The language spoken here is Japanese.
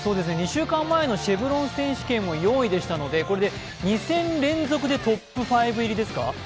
２週間前のシェブロン選手権は４位でしたので、２戦連続でトップ５入りですか？